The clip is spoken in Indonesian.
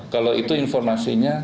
kalau itu informasinya